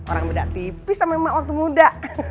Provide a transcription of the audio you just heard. orang beda tipis sama memang waktu muda